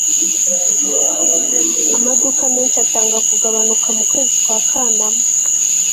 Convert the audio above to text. amaduka menshi atanga kugabanuka mukwezi kwa kanama